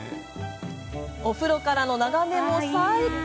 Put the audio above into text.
お風呂からの眺めも最高。